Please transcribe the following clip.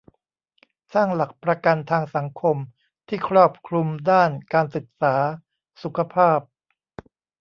สร้างหลักประกันทางสังคมที่ครอบคลุมด้านการศึกษา สุขภาพ